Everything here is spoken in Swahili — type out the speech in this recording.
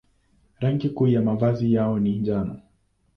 Rangi kuu ya mavazi yao ni njano.